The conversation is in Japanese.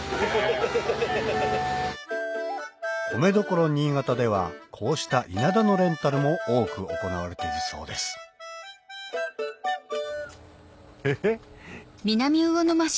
米どころ新潟ではこうした稲田のレンタルも多く行われているそうですえ！